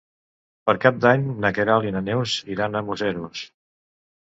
Per Cap d'Any na Queralt i na Neus iran a Museros.